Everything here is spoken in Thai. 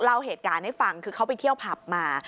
เล่าเหตุการณ์ให้ฟังคือเขาไปเที่ยวผับมา